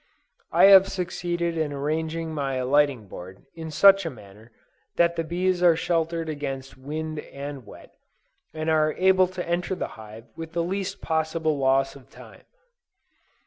I have succeeded in arranging my alighting board in such a manner that the bees are sheltered against wind and wet, and are able to enter the hive with the least possible loss of time.